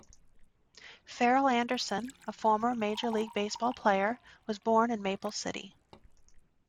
Ferrell Anderson, a former Major League Baseball player, was born in Maple City.